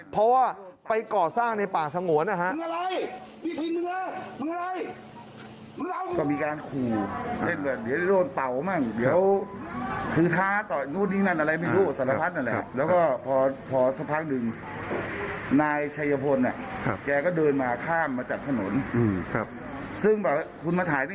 เพราะว่าไปก่อสร้างในป่าสงวนนะฮะ